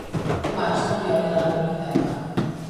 Dimarts n'Oriol irà a la biblioteca.